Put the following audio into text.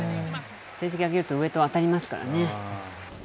成績上げると、上と当たりますからね。